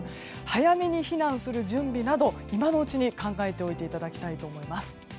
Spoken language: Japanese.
早めに避難する準備など今のうちに考えておいていただきたいと思います。